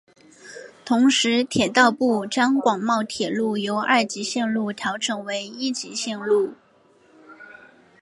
同时铁道部将广茂铁路由二级线路调整为一级线路。